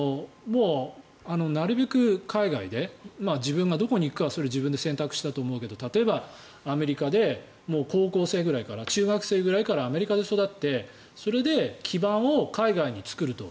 なるべく海外で自分がどこに行くかは自分で選択したと思うけど例えばアメリカで高校生ぐらい中学生ぐらいからアメリカで育ってそれで基盤を海外に作ると。